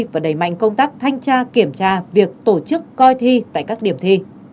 và đẩy mạnh công tác thanh tra kiểm tra việc tổ chức coi thi tại các điểm thi